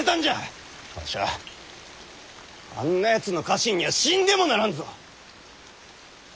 わしゃあんなやつの家臣には死んでもならんぞ！